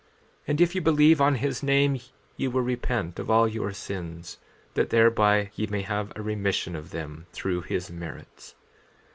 14:13 And if ye believe on his name ye will repent of all your sins, that thereby ye may have a remission of them through his merits.